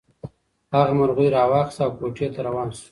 هغه مرغۍ راواخیسته او کوټې ته روان شو.